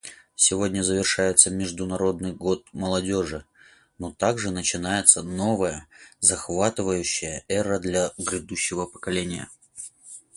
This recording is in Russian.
Сегодня завершается Международный год молодежи, но также начинается новая, захватывающая эра для грядущего поколения.